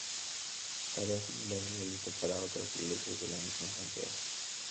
Tareas similares realizó para otras iglesias de la misma Santiago.